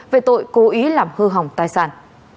về tội cố ý làm hư hỏng tài sản